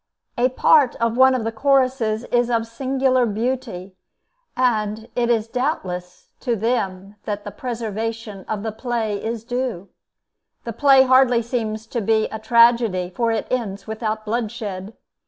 A part of one of the choruses is of singular beauty, and it is doubtless to them that the preservation of the play is due. The play hardly seems to be a tragedy, for it ends without bloodshed.